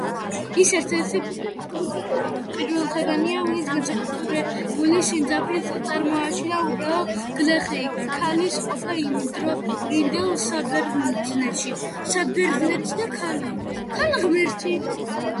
ის ერთ–ერთი პირველთაგანია, ვინც განსაკუთრებული სიმძაფრით წარმოაჩინა უბრალო, გლეხი ქალის ყოფა იმდროინდელ საბერძნეთში.